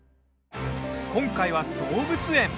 今回は動物園。